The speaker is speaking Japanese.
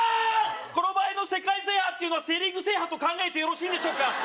この場合の世界制覇っていうのはセ・リーグ制覇と考えてよろしいんでしょうか？